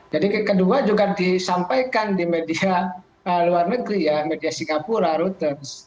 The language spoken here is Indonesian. jadi kedua juga disampaikan di media luar negeri ya media singapura reuters